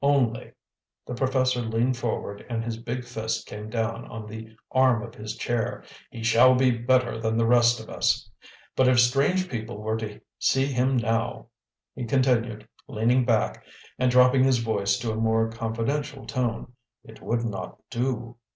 Only" the professor leaned forward and his big fist came down on the arm of his chair "he shall be better than the rest of us! But if strange people were to see him now," he continued, leaning back and dropping his voice to a more confidential tone, "it would not do.